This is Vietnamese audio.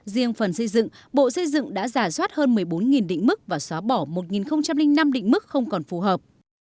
riêng phần xây dựng bộ xây dựng đã giả soát hơn một mươi bốn định mức và xóa bỏ một năm định mức không còn phù hợp